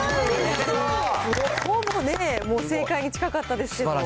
ほぼね、正解に近かったですけど。